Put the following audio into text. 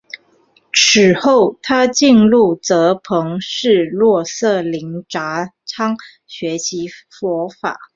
此后他进入哲蚌寺洛色林扎仓学习佛法。